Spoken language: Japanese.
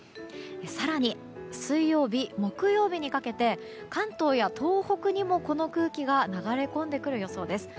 更に、水曜日、木曜日にかけて関東や東北にもこの空気が流れ込んでくる予想です。